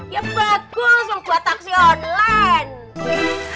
ya bagus mau buat taksi online